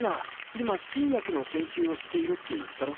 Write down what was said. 今新薬の研究をしているって言ったろ？